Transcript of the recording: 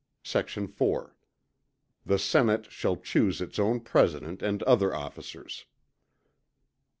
Sect. 4. The Senate shall chuse its own President and other officers.